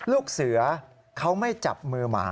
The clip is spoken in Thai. ลูกเสือเขาไม่จับมือหมา